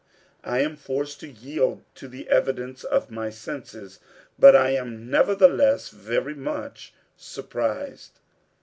"I am forced to yield to the evidence of my senses, but I am nevertheless very much surprised."